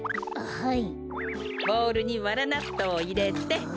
はい！